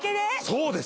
そうです